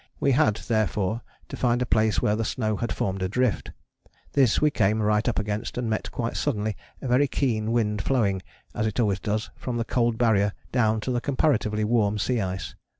We had therefore to find a place where the snow had formed a drift. This we came right up against and met quite suddenly a very keen wind flowing, as it always does, from the cold Barrier down to the comparatively warm sea ice.